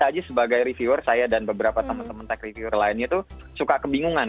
tapi sebagai reviewer saya dan beberapa teman teman tech reviewer lainnya itu suka kebingungan